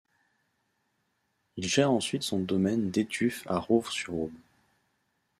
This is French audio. Il gère ensuite son domaine d'Etufs à Rouvres-sur-Aube.